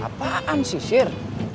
apaan sih sir